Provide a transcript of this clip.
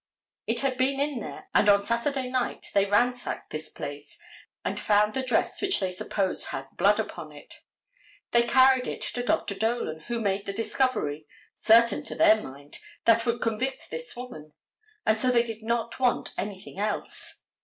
It had been in there, and on Saturday night they ransacked this place and found the dress which they supposed had blood upon it. They carried it to Dr. Dolan, who made the discovery, certain to their mind, that would convict this woman, and so they did not want anything else.